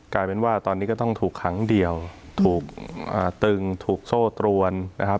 กลายเป็นว่าตอนนี้ก็ต้องถูกขังเดี่ยวถูกตึงถูกโซ่ตรวนนะครับ